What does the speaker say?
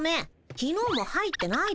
きのうも入ってないでしょ。